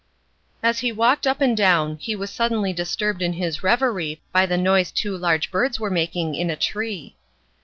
As he walked up and down he was suddenly disturbed in his reverie by the noise two large birds were making in a tree.